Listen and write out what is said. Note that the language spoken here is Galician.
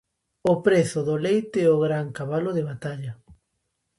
O prezo do leite é o gran cabalo de batalla.